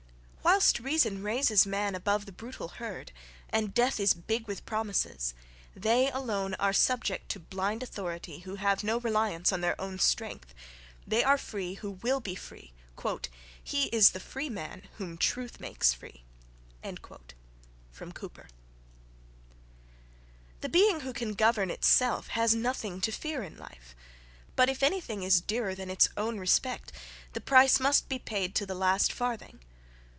Whilst reason raises man above the brutal herd, and death is big with promises, they alone are subject to blind authority who have no reliance on their own strength. "They are free who will be free!"* (*Footnote. "He is the free man, whom TRUTH makes free!" Cowper.) The being who can govern itself, has nothing to fear in life; but if any thing is dearer than its own respect, the price must be paid to the last farthing.